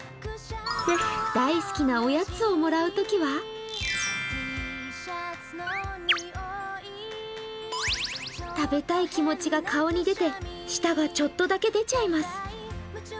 大好きなおやつをもらうときは食べたい気持ちが顔に出て舌がちょっとだけ出ちゃいます。